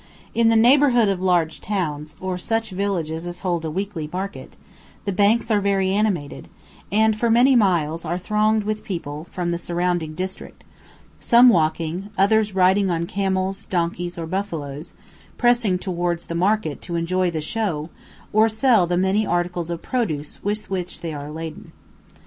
In the neighbourhood of large towns, or such villages as hold a weekly market, the banks are very animated, and for many miles are thronged with people from the surrounding district, some walking, others riding on camels, donkeys, or buffaloes, pressing towards the market to enjoy the show, or sell the many articles of produce with which they are laden.